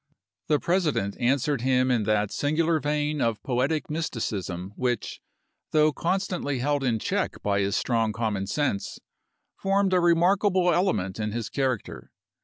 The President answered him in that singular vein of poetic mysticism which, though constantly held in check by his strong common sense, formed a remarkable element in his character.